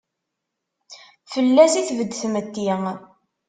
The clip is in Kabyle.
Fell-as i tbed tmetti.